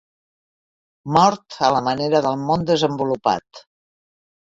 Mort a la manera del món desenvolupat.